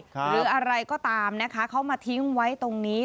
หรืออะไรก็ตามนะคะเขามาทิ้งไว้ตรงนี้